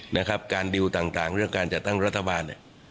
นะครับการดิวต่างต่างเรื่องการจัดตั้งรัฐบาล